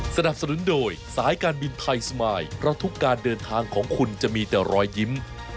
สนับสนุนโดยสายการบินไทยสมายเพราะทุกการเดินทางของคุณจะมีแต่รอยยิ้ม